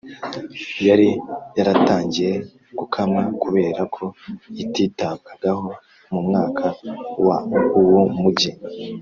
yari yaratangiye gukama kubera ko ititabwagaho Mu mwaka wa uwo mugi